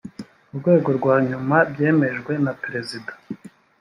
urwego rwa nyuma byemejwe na perezida